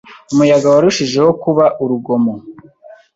Umuyaga warushijeho kuba urugomo.